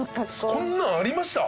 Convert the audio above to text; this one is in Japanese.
こんなんありました？